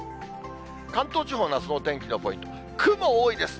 関東地方のあすのお天気のポイント、雲多いです。